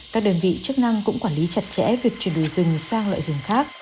các đơn vị chức năng cũng quản lý chặt chẽ việc chuyển đổi rừng sang loại rừng khác